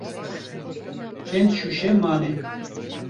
Çend şûşe mane?